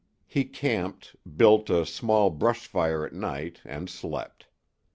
He camped, built a small bush fire at night, and slept.